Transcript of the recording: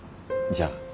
じゃあ。